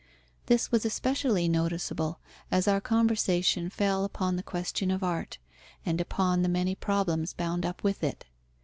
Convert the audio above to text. This was especially noticeable as our conversation fell upon the question of Art and upon the many problems bound up with it.